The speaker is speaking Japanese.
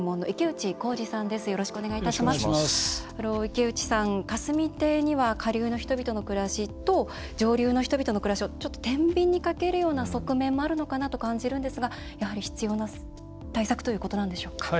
池内さん、霞堤には下流の人々の暮らしと上流の人々の暮らしを、ちょっとてんびんにかけるような側面もあるのかなと感じるんですがやはり必要な対策ということなんでしょうか。